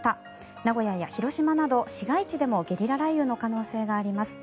名古屋や広島など市街地でもゲリラ雷雨の可能性があります。